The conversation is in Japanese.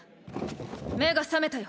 目が覚めたよ。